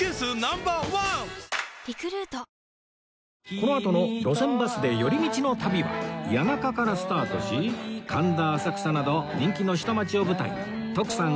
このあとの『路線バスで寄り道の旅』は谷中からスタートし神田浅草など人気の下町を舞台に徳さん